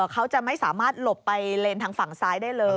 เขาจะไม่สามารถหลบไปเลนทางฝั่งซ้ายได้เลย